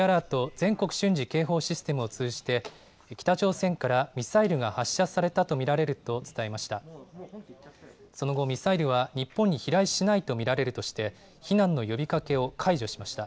・全国瞬時警報システムを通じて、北朝鮮からミサイルが発射されたと見られると伝えました。